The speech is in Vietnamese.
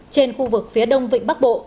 trên khu vực phía đông vịnh bắc bộ